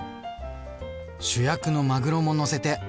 主役のまぐろものせて。